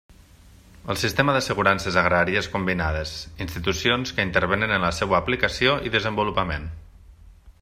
El sistema d'assegurances agràries combinades: institucions que intervenen en la seua aplicació i desenvolupament.